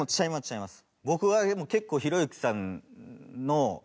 違います。